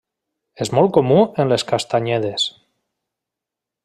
És molt comú en les castanyedes.